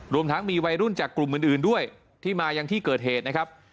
รวมทั้งมีวัยรุ่นจากกลุ่มอื่นด้วยที่มายังที่เกิดเหตุนะครับ